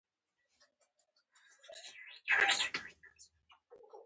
له یوه کاندید سره هم نه وم.